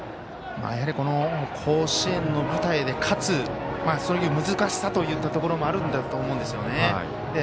やはり甲子園の舞台で勝つそういう難しさといったところもあるんだと思います。